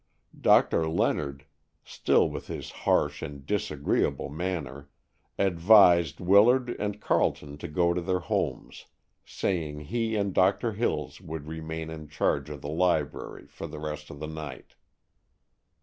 Doctor Leonard, still with his harsh and disagreeable manner, advised Willard and Carleton to go to their homes, saying he and Doctor Hills would remain in charge of the library for the rest of the night.